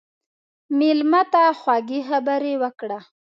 مېلمه ته خوږې خبرې وکړه.